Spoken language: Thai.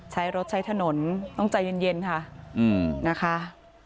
ใช้รถใช้ถนนต้องใจเย็นค่ะนะคะ